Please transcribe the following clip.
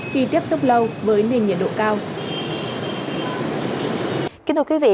khi tiếp xúc lâu với nền nhiệt độ cao